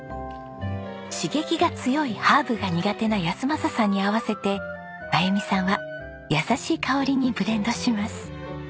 刺激が強いハーブが苦手な安正さんに合わせて真由美さんは優しい香りにブレンドします。